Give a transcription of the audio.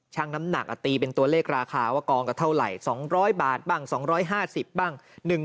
น้ำหนักตีเป็นตัวเลขราคาว่ากองก็เท่าไหร่๒๐๐บาทบ้าง๒๕๐บ้าง